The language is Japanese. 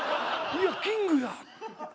「いやキングや」